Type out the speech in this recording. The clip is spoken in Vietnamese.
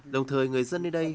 đồng thời người dân nơi đây